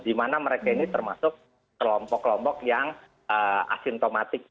di mana mereka ini termasuk kelompok kelompok yang asimptomatik